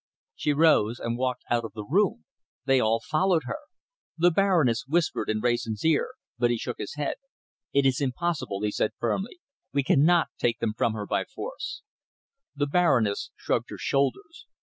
She rose and walked out of the room. They all followed her. The Baroness whispered in Wrayson's ear, but he shook his head. "It is impossible," he said firmly. "We cannot take them from her by force." The Baroness shrugged her shoulders.